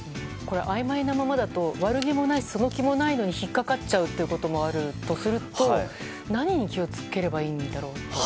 あいまいなままだと悪気もないその気もないのに引っかかっちゃうこともあるとすると何に気を付ければいいんだろうと。